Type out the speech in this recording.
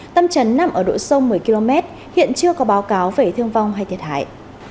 tâm trấn nằm ở độ sâu một mươi km hiện chưa có báo cáo về thương vong hay thiệt hại